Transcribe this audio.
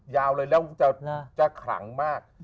ยาวเลยก็จะขรางมาก